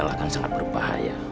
ginjal akan sangat berbahaya